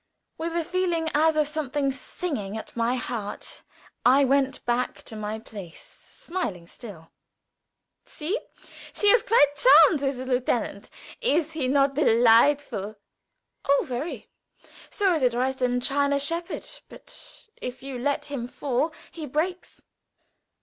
With a feeling as of something singing at my heart I went back to my place, smiling still. "See! she is quite charmed with the Herr Lieutenant! Is he not delightful?" "Oh, very; so is a Dresden china shepherd, but if you let him fall he breaks."